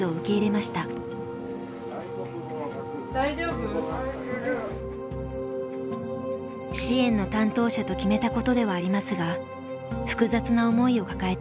支援の担当者と決めたことではありますが複雑な思いを抱えています。